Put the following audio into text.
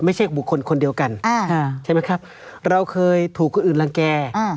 ไม่ใช่บุคคลคนเดียวกันใช่ไหมครับเราเคยถูกคนอื่นรังแก่